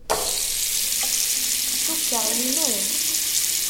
Cukkeɣ inu.